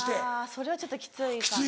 それはちょっときついかな。